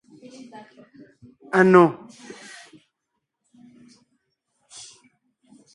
Anò.